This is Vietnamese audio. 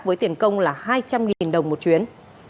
với tiền công là hai trăm linh đồng một chuyến